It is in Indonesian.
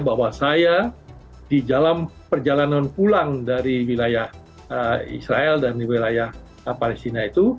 bahwa saya di dalam perjalanan pulang dari wilayah israel dan di wilayah palestina itu